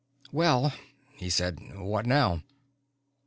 "Well," he said, "what now?"